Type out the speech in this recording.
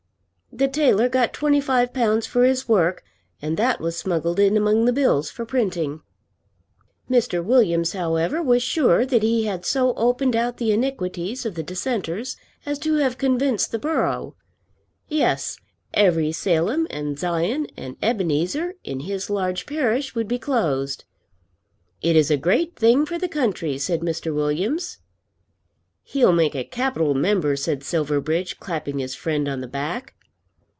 The tailor got twenty five pounds for his work, and that was smuggled in among the bills for printing. Mr. Williams, however, was sure that he had so opened out the iniquities of the dissenters as to have convinced the borough. Yes; every Salem and Zion and Ebenezer in his large parish would be closed. "It is a great thing for the country," said Mr. Williams. "He'll make a capital member," said Silverbridge, clapping his friend on the back.